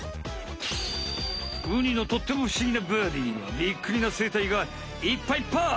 ウニのとってもふしぎなバディーにはびっくりなせいたいがいっぱいいっぱい！